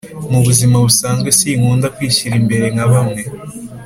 Mubuzima busanzwe sinkunda kwishyira imbere nkabamwe